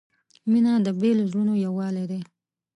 • مینه د بېلو زړونو یووالی دی.